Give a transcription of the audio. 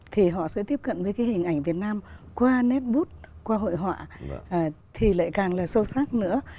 thì họ sẽ tiếp cận với cái hình ảnh việt nam qua nét bút qua hội họa thì lại càng là sâu sắc nữa